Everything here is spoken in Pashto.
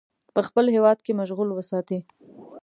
په خپل هیواد کې مشغول وساتي.